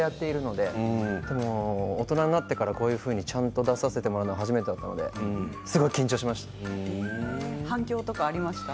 でも大人になってからこういうふうにちゃんと出させてもらうのは初めてだったので反響とかありましたか？